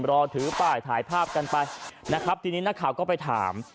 รอถือป้ายถ่ายภาพกันไปนะครับทีนี้นักข่าวก็ไปถาม